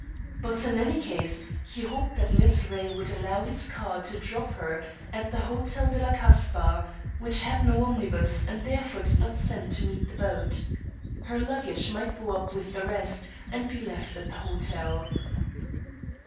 But in any case he hoped that Miss Ray would allow his car to drop her at the Hotel de la Kasbah, which had no omnibus and therefore did not send to meet the boat. Her luggage might go up with the rest, and be left at the hotel.